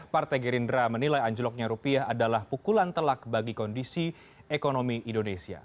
sebagai contoh pak gerindra menilai anjloknya rupiah adalah pukulan telak bagi kondisi ekonomi indonesia